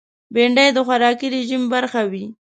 بېنډۍ د خوراکي رژیم برخه وي